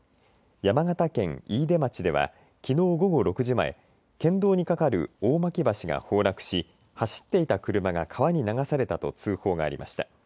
山形県飯豊町ではきのう午後６時前県道に架かる大巻橋が崩落し走っていた車が川に流されたと通報がありました。